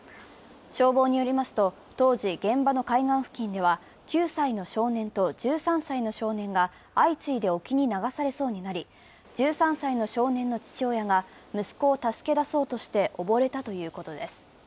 消防によりますと、当時現場の海岸付近では９歳の少年と１３歳の少年が相次いで沖に流されそうになり１３歳の少年の父親が息子を助け出そうとして溺れたということです。